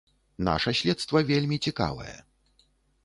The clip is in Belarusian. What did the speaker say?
Наша следства вельмі цікавае.